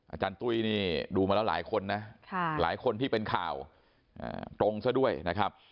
อาจารย์ตุ้ยนี่ดูมาแล้วหลายคนนะหลายคนที่เป็นข่าวตรงซะด้วยนะครับ